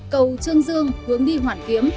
cầu trương dương hướng đi hoản kiếm